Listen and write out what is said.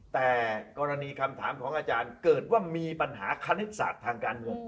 แต่กรณีคำถามของอาจารย์เกิดว่ามีปัญหาคณิตศาสตร์ทางการเมือง